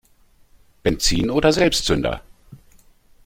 Benzin oder Selbstzünder?